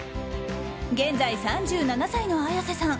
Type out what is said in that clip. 現在３７歳の綾瀬さん。